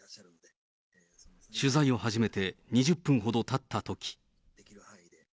取材を始めて２０分ほどたったとき。